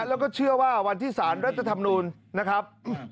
แล้วก็เชื่อว่าวันที่สารรัฐธรรมนูลนะครับ